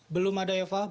belum ada eva belum ada